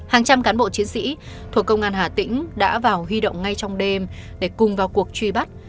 hàng trăm cán bộ chiến sĩ thuộc công an hà tĩnh đã vào huy động ngay trong đêm để cùng vào cuộc truy bắt